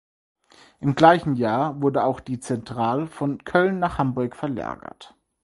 Im gleichen Jahr wurde auch die Zentral von Köln nach Hamburg verlagert.